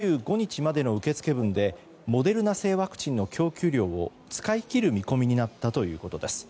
政府関係者によりますと２５日までの受け付け分でモデルナ製ワクチンの供給量を使い切る見込みになったということです。